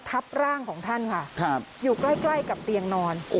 ทับร่างของท่านค่ะอยู่ใกล้กับเตียงนอน